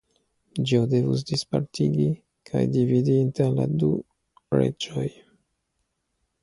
Dio devus dispartigi kaj dividi inter la du reĝoj.